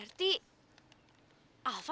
lalu aku tebel